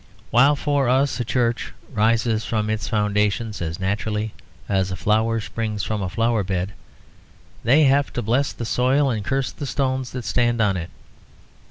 While for us a church rises from its foundations as naturally as a flower springs from a flower bed, they have to bless the soil and curse the stones that stand on it.